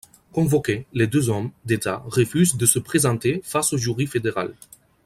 Convoqués, les deux hommes d'État refusent de se présenter face au jury fédéral.